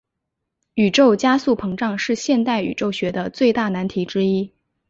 宇宙加速膨胀是现代宇宙学的最大难题之一。